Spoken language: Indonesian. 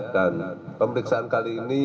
dan pemeriksaan kali ini